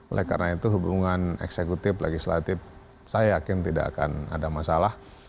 oleh karena itu hubungan eksekutif legislatif saya yakin tidak akan ada masalah